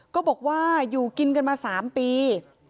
ก็บอกว่าอยู่กินกันมา๓ปี